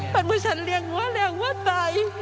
ก็คือฉันเลี่ยงวัวเลี่ยงวัวตาย